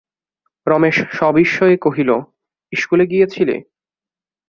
রমেশ সবিস্ময়ে কহিল, ইস্কুলে গিয়াছিল?